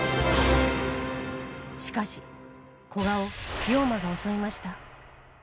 しかし、古賀を病魔が襲いました。